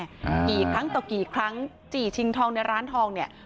กี่ครั้งต่อกี่ครั้งจี่ชิงทองในร้านทองเนี่ย